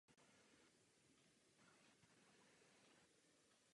Režie se ujal Marc Webb a scénáře Tom Flynn.